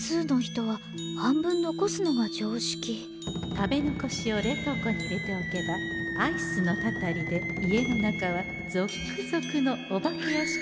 食べ残しを冷凍庫に入れておけばアイスのたたりで家の中はぞっくぞくのお化けやしきに大変身。